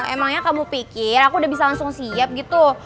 emangnya kamu pikir aku udah bisa langsung siap gitu